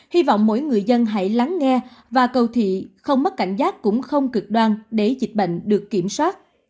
hy vọng mỗi người dân hãy lắng nghe và cầu thị không mất cảnh giác cũng không cực đoan để dịch bệnh được kiểm soát